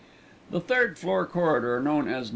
The third floor corridor, known as No.